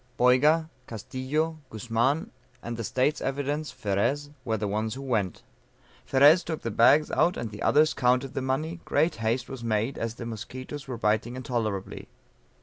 Boyga, Castillo, Guzman, and the "State's Evidence," Ferez, were the ones who went. Ferez took the bags out, and the others counted the money; great haste was made as the musquitoes were biting intolerably.